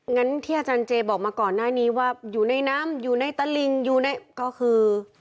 งั้นที่อาจารย์เจบอกมาก่อนหน้านี้ว่าอยู่ในน้ำอยู่ในตะลิงอยู่ในก็คือ